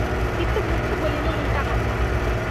কিন্তু মুখে বলিল উলটা কথা।